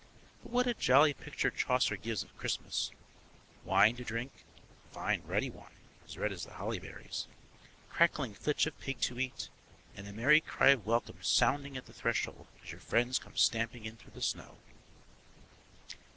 But what a jolly picture Chaucer gives of Christmas! Wine to drink (fine ruddy wine, as red as the holly berries), crackling flitch of pig to eat, and a merry cry of welcome sounding at the threshold as your friends come stamping in through the snow.